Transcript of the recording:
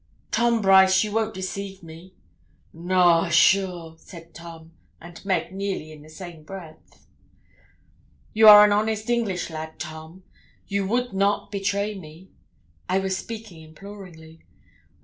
'Tom Brice, you won't deceive me?' 'Noa, sure,' said Tom and Meg nearly in the same breath. 'You are an honest English lad, Tom you would not betray me?' I was speaking imploringly.